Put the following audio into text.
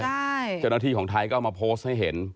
เจ้าหน้าที่ของไทยก็เอามาโพสต์ให้เห็น